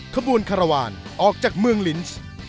ขบูรณ์คลาละวานออกจากเมืองลินช์